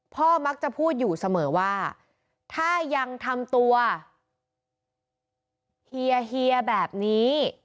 พ่อมักจะพูดอยู่เสมอว่าถ้ายังทำตัวเฮียเฮียแบบนี้